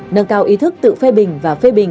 nâng cao ý thức tự phê bình